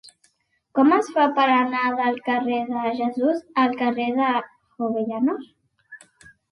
Com es fa per anar del carrer de Jesús al carrer de Jovellanos?